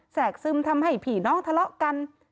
แกรกซึมทำให้ผีน้องทะเลาะกัน